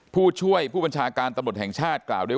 ผู้ช่วยผู้บัญชาการตำรวจแห่งชาติกล่าวด้วย